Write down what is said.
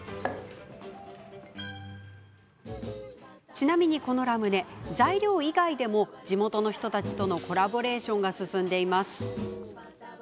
ちなみに、このラムネ材料以外でも地元の人たちとのコラボレーションが進んでいます。